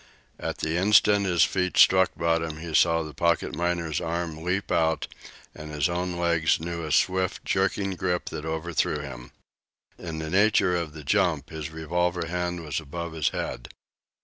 At the instant his feet struck bottom he saw the pocket miner's arm leap out, and his own legs knew a swift, jerking grip that overthrew him. In the nature of the jump his revolver hand was above his head.